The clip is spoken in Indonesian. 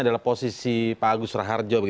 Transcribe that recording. adalah posisi pak agus raharjo